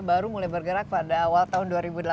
baru mulai bergerak pada awal tahun dua ribu delapan belas